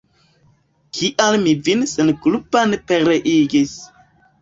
Kial mi vin senkulpan pereigis!